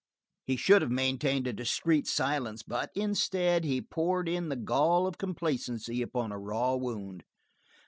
He should have maintained a discreet silence, but instead, he poured in the gall of complacency upon a raw wound.